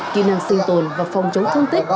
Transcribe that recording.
kỹ năng sinh tồn và phòng chống thương tích